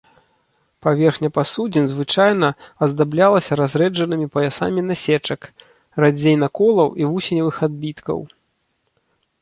Паверхня пасудзін звычайна аздаблялася разрэджанымі паясамі насечак, радзей наколаў і вусеневых адбіткаў.